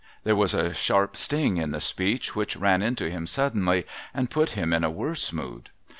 ' There was a sharp sting in the speech which ran into him suddenly, and put him in a worse mood.